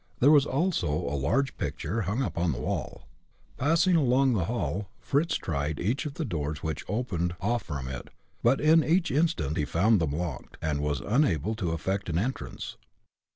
There was also a large picture hung upon the wall. Passing along the hall, Fritz tried each of the doors which opened off from it, but in each instance he found them locked, and was unable to effect an entrance.